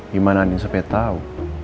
gimana andien sampe tau